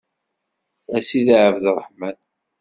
A Sidi Ɛebderreḥman.